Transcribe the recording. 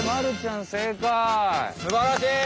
すばらしい！